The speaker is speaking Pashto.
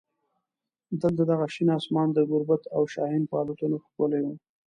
دلته دغه شین اسمان د ګوربت او شاهین په الوتنو ښکلی و.